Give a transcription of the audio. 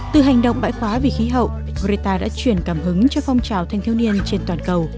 từ hành động bãi khóa vì khí hậu greta đã truyền cảm hứng cho phong trào thanh thiếu niên trên toàn cầu